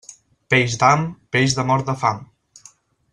Peix d'ham, peix de mort de fam.